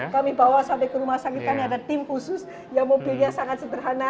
kami bawa sampai ke rumah sakit kami ada tim khusus yang mobilnya sangat sederhana